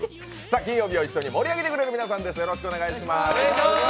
金曜日を一緒に盛り上げてくれる皆さんです。